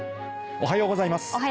おはようございます。